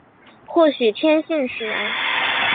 或许天性使然